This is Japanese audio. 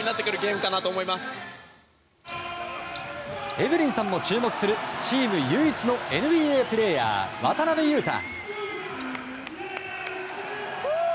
エブリンさんも注目するチーム唯一のＮＢＡプレーヤー渡邊雄太。